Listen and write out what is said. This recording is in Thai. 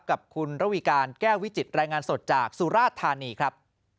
กับคุณระวีการแก้ววิจิตรายงานสดจากสุราชธานีครับ